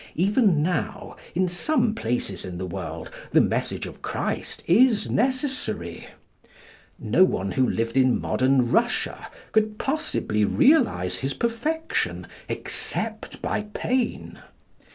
Even now, in some places in the world, the message of Christ is necessary. No one who lived in modern Russia could possibly realise his perfection except by pain.